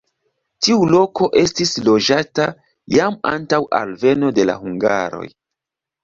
Tiu loko estis loĝata jam antaŭ alveno de la hungaroj.